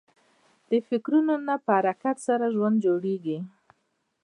د فکرو نه په حرکت سره ژوند جوړېږي.